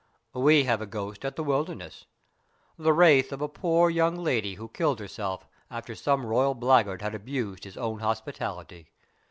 "We have a ghost at 'The Wilderness,' the wraith of a poor young lady who killed herself after some royal blackguard had abused his own hospitality.